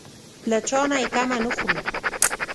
له چا نه یې کمه نه خورو.